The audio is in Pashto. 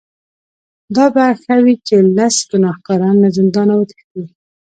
دا به ښه وي چې لس ګناهکاران له زندانه وتښتي.